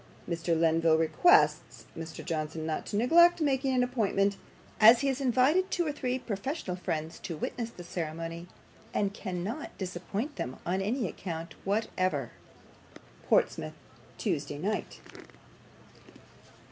"Mr. Lenville requests Mr. Johnson not to neglect making an appointment, as he has invited two or three professional friends to witness the ceremony, and cannot disappoint them upon any account whatever. "PORTSMOUTH, TUESDAY NIGHT."